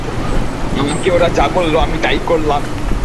আমাকে ওরা যা বললো আমি তাই করলাম।